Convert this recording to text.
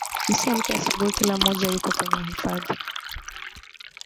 msiamke asubuhi kila mmoja yuko kwenye hifadhi